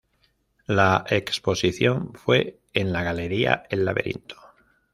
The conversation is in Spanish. La exposición fue en la galería El Laberinto.